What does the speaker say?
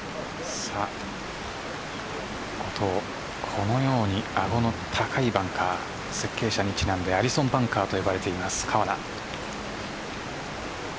このようにアゴの高いバンカー設計者にちなんでアリソンバンカーと言われています川奈。